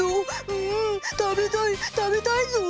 うん食べたい食べたいぞ。